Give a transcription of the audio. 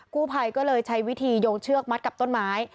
กู้ภัยก็เลยใช้วิธีโยงเชือกมัดกับต้นไม้